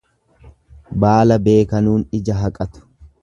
Baala beekanuun ija haqatu.